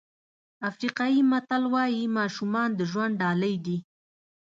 افریقایي متل وایي ماشومان د ژوند ډالۍ دي.